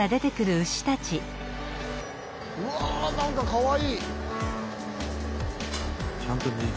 うわ何かかわいい！